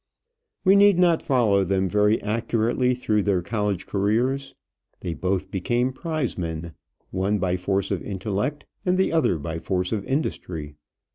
We need not follow them very accurately through their college careers. They both became prizemen one by force of intellect, and the other by force of industry.